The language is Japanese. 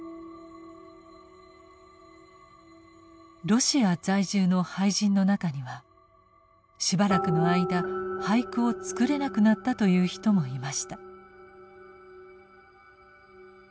ロシア在住の俳人の中にはしばらくの間俳句を作れなくなったという人もいました。